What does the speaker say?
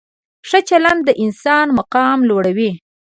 ښه چلند د انسان مقام لوړوي.